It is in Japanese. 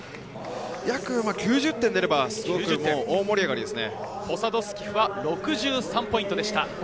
約９０点出れば大盛り上がりポサドスキフは６３ポイントでした。